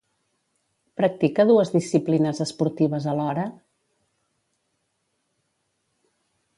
Practica dues disciplines esportives alhora?